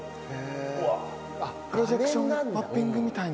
プロジェクションマッピングみたいな。